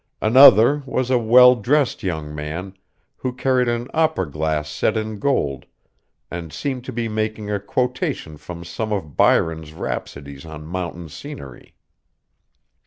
Another was a well dressed young man, who carried an opera glass set in gold, and seemed to be making a quotation from some of Byron's rhapsodies on mountain scenery.